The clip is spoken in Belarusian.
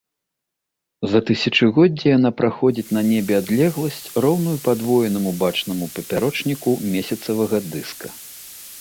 За тысячагоддзе яна праходзіць на небе адлегласць, роўную падвоенаму бачнаму папярочніку месяцавага дыска.